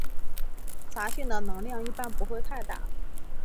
杂讯的能量一般不会太大。